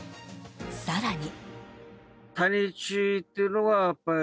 更に。